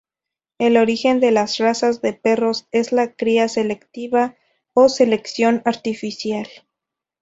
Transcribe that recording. El origen de las razas de perros es la cría selectiva o selección artificial.